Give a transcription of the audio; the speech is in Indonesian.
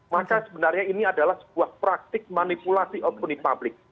maka sebenarnya ini adalah sebuah praktik manipulasi opini publik